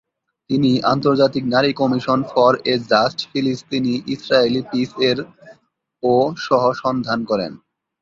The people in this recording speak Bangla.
তিনি আন্তর্জাতিক নারী কমিশন ফর এ জাস্ট ফিলিস্তিনি-ইসরায়েলি পিস-এর ও সহ-সন্ধান করেন।